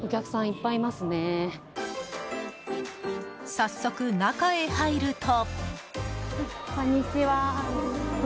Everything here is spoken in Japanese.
早速、中へ入ると。